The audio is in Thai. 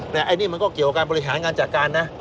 แต่อันนี้มันก็เกี่ยวกับการบริหารงานจัดการนะ